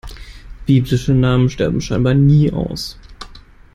Biblische Namen sterben scheinbar nie aus.